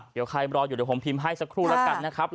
เดี๋ยวใครรออยู่เดี๋ยวผมพิมพ์ให้สักครู่แล้วกันนะครับ